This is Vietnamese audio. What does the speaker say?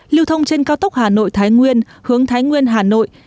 lưu thông trên cao tốc hà nội thái nguyên hướng thái nguyên hà nội